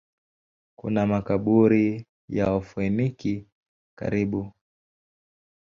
Kuna makaburi ya Wafoeniki karibu.